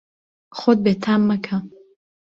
خۆت بێتام مەکە.